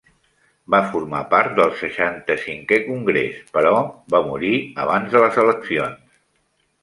Va formar part del seixanta cinquè congrés, però va morir abans de les eleccions.